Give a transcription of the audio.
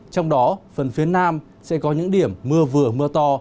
trong đó phần phía nam sẽ có những điểm mưa vừa mưa to